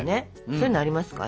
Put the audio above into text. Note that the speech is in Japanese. そういうのありますか？